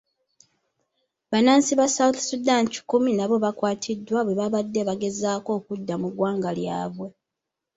Bannansi ba South Sudan kikumi nabo baakwatiddwa bwe baabadde bagezaako okudda mu ggwanga lyabwe.